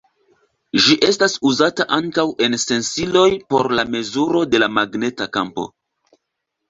Ĝi estas uzata ankaŭ en sensiloj por la mezuro de la magneta kampo.